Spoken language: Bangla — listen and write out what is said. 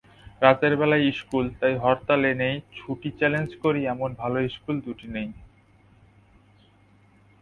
রাতের বেলার ইশকুল তাই হরতালে নেই ছুটিচ্যালেঞ্জ করি এমন ভালো ইশকুল নেই দুটি।